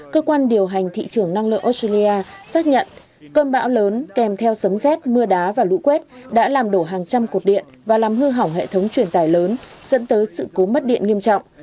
cơ quan điều hành thị trường năng lượng australia xác nhận cơn bão lớn kèm theo sấm rét mưa đá và lũ quét đã làm đổ hàng trăm cột điện và làm hư hỏng hệ thống truyền tài lớn dẫn tới sự cố mất điện nghiêm trọng